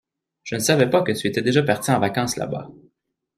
Je ne savais pas que tu étais déjà parti en vacances là-bas.